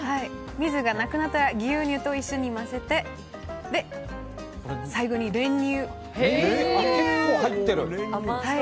水がなくなったら牛乳と一緒に混ぜて最後に練乳を入れます。